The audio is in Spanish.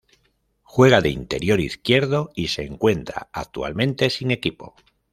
Juega de interior izquierdo y se encuentra actualmente sin equipo.